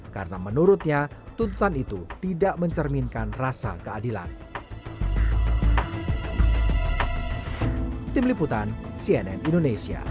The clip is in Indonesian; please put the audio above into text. karena menurutnya tuntutan itu tidak mencerminkan rasa keadilan